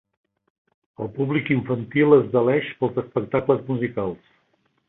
El públic infantil es deleix pels espectacles musicals.